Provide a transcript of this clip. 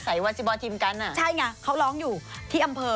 วาจิบอร์ทีมกันอ่ะใช่ไงเขาร้องอยู่ที่อำเภอ